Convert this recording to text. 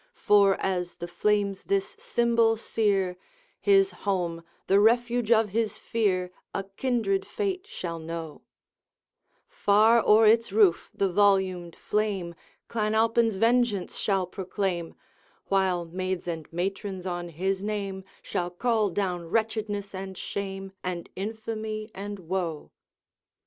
For, as the flames this symbol sear, His home, the refuge of his fear, A kindred fate shall know; Far o'er its roof the volumed flame Clan Alpine's vengeance shall proclaim, While maids and matrons on his name Shall call down wretchedness and shame, And infamy and woe.'